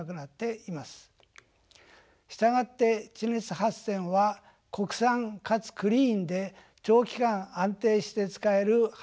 従って地熱発電は国産かつクリーンで長期間安定して使える発電です。